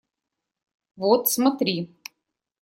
Вот смотри!